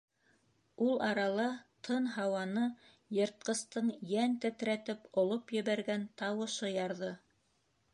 Ул арала тын һауаны йыртҡыстың йән тетрәтеп олоп ебәргән тауышы ярҙы.